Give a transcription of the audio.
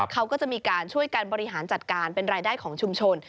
เขาก็จะมีการช่วยกันบริหารจัดการเป็นรายได้ของชุมชน